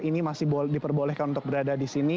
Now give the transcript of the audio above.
ini masih diperbolehkan untuk berada di sini